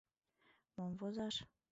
Мом возаш?